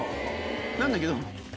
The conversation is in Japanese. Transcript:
なんだけど。